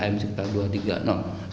ikm sekitar dua ratus empat dan dua ratus tiga